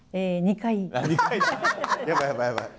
やばいやばいやばい。